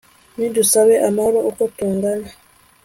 nidusabe amahoro uko tungana